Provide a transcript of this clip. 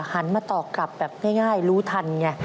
หันมาตอบกลับแบบง่ายรู้ทันไง